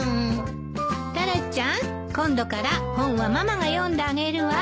タラちゃん今度から本はママが読んであげるわ。